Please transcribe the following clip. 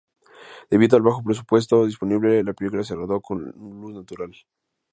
Debido al bajo presupuesto disponible, la película se rodó con luz natural.